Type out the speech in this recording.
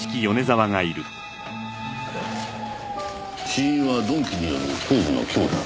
死因は鈍器による頭部の強打。